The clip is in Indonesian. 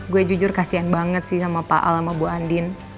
gue jujur kasian banget sih sama pak al sama bu andin